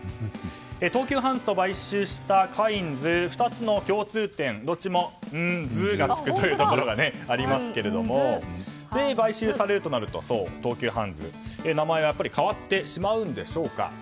東急ハンズと買収したカインズ２つの共通点どっちもン、ズがつくところがありますが買収されるとなると東急ハンズ名前がやっぱり変わってしまうんでしょうか。